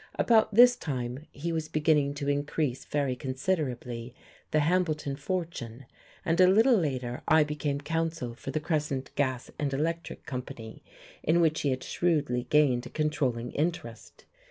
About this time he was beginning to increase very considerably the Hambleton fortune, and a little later I became counsel for the Crescent Gas and Electric Company, in which he had shrewdly gained a controlling interest.